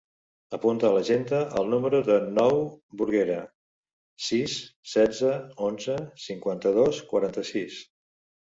Apunta a l'agenda el número del Nouh Burguera: sis, setze, onze, cinquanta-dos, quaranta-sis.